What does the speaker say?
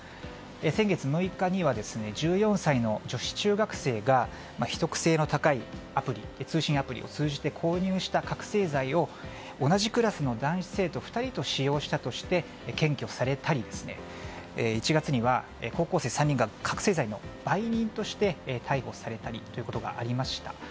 先月６日には女子中学生が秘匿性の高い通信アプリを通じて購入した覚醒剤を同じクラスの男子生徒２人と使用したとして検挙されたり１月には高校生３人が覚醒剤の売人として逮捕されたりということがありました。